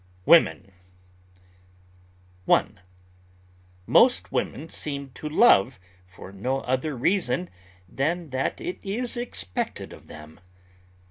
WOMEN 1. Most women seem to love for no other reason than that it is expected of them.